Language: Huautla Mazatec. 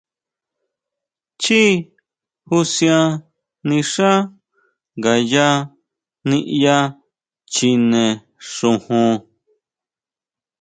Chjií jusin nixá ngayá niʼya chjine xojon.